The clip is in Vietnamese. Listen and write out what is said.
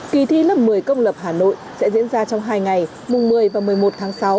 kỳ thi lớp một mươi công lập hà nội sẽ diễn ra trong hai ngày mùng một mươi và một mươi một tháng sáu